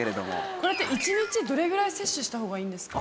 これって１日どれぐらい摂取した方がいいんですか？